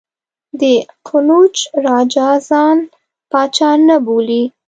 د قنوج راجا ځان پاچا نه بولي.